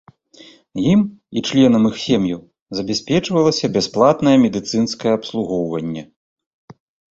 Ім і членам іх сем'яў забяспечвалася бясплатнае медыцынскае абслугоўванне.